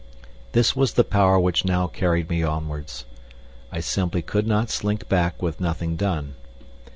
This was the power which now carried me onwards. I simply could not slink back with nothing done.